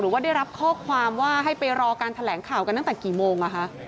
ว่าได้รับข้อความว่าให้ไปรอการแถลงข่าวกันตั้งแต่กี่โมง